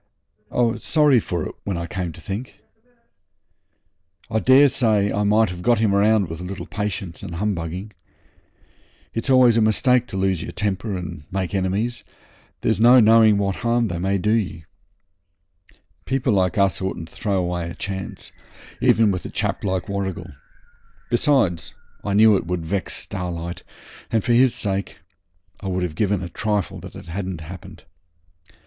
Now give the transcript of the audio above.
I was sorry for it when I came to think. I daresay I might have got him round with a little patience and humbugging. It's always a mistake to lose your temper and make enemies; there's no knowing what harm they may do ye. People like us oughtn't to throw away a chance, even with a chap like Warrigal. Besides, I knew it would vex Starlight, and for his sake I would have given a trifle it hadn't happened.